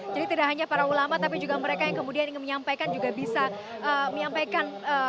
jadi tidak hanya para ulama tapi juga mereka yang kemudian ingin menyampaikan juga bisa menyampaikan